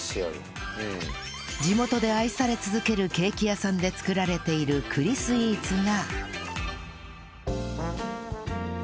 地元で愛され続けるケーキ屋さんで作られている栗スイーツが